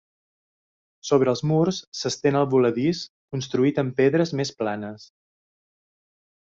Sobre els murs s'estén el voladís, construït amb pedres més planes.